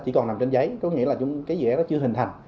chỉ còn nằm trên giấy có nghĩa là cái dự án đó chưa hình thành